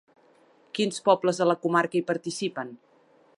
Quins pobles de la comarca hi participen?